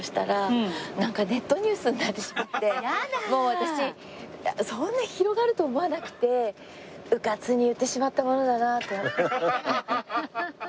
もう私そんな広がると思わなくてうかつに言ってしまったものだなと。